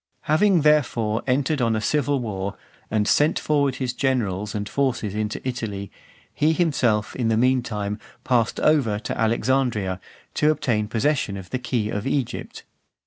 VII. Having, therefore, entered on a civil war, and sent forward his generals and forces into Italy, he himself, in the meantime, passed over to Alexandria, to obtain possession of the key of Egypt .